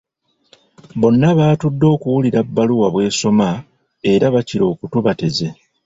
Bonna baatudde okuwulira bbaluwa by’esoma era bakira okutu bateze.